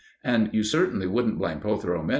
And you certainly couldn't blame Protheroe min.